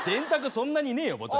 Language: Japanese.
そんなにねえよボタン。